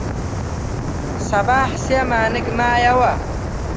سەباح سێ مانگ مایەوە.